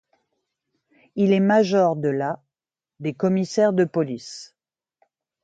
Il est major de la des commissaires de police.